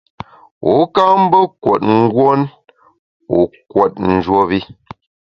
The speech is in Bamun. Wu ka mbe kùot nguon wu kùot njuop i.